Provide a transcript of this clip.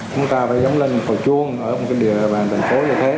chúng ta phải giống lên một còi chuông ở một địa bàn thành phố như thế